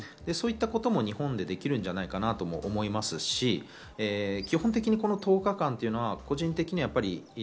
そういったことも日本でできるんじゃないかなと思いますし、基本的にこの１０日間は個人的に。